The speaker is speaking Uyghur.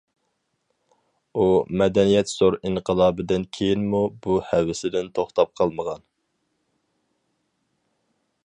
ئۇ مەدەنىيەت زور ئىنقىلابىدىن كېيىنمۇ بۇ ھەۋىسىدىن توختاپ قالمىغان.